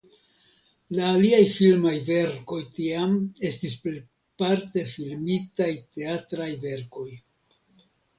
La aliaj filmaj verkoj tiam estis plejparte filmitaj teatraj verkoj.